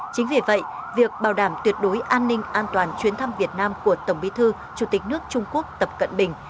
chính vì vậy việc bảo đảm tuyệt đối an ninh an toàn chuyến thăm việt nam của tổng bí thư chủ tịch nước trung quốc tập cận bình